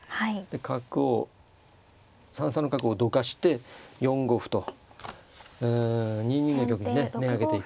角を３三の角をどかして４五歩と２二の玉にね目がけていくと。